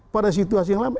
pada situasi yang lama